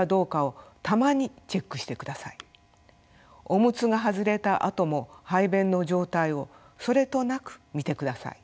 オムツが外れたあとも排便の状態をそれとなく見てください。